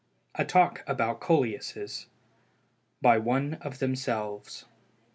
A Talk About Coleuses. BY ONE OF THEMSELVES.